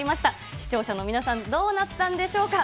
視聴者の皆さん、どうなったんでしょうか。